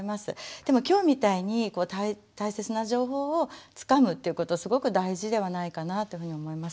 でも今日みたいに大切な情報をつかむということすごく大事ではないかなというふうに思います。